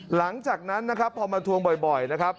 หลังจากนั้นนะครับพอมาทวงบ่อยนะครับ